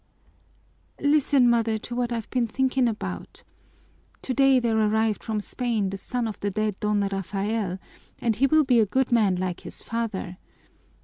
"Listen, mother, to what I've been thinking about. Today there arrived from Spain the son of the dead Don Rafael, and he will be a good man like his father.